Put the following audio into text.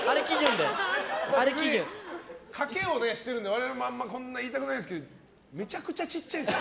賭けをしてるんで、我々もあんまり言いたくないですけどめちゃくちゃ小さいです。